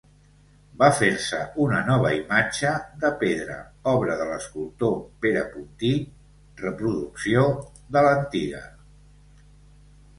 Va fer-se una nova imatge de pedra, obra de l’escultor Pere Puntí, reproducció de l’antiga.